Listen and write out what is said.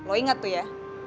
lo inget tuh ya